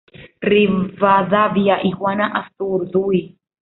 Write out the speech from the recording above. Rivadavia y Juana Azurduy